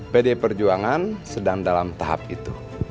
pdi perjuangan sedang dalam tahap itu